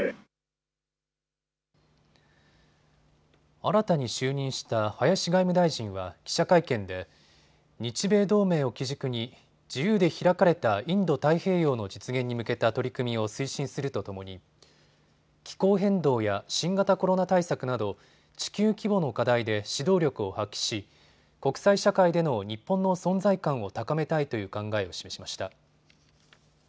新たに就任した林外務大臣は記者会見で日米同盟を基軸に自由で開かれたインド太平洋の実現に向けた取り組みを推進するとともに気候変動や新型コロナ対策など地球規模の課題で指導力を発揮し国際社会での日本の存在感を高めたいという考えを示しました。